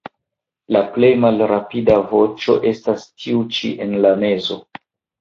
La plej malrapida voĉo estas tiu ĉi en la mezo.